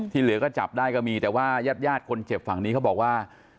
เหลือก็จับได้ก็มีแต่ว่ายาดคนเจ็บฝั่งนี้เขาบอกว่า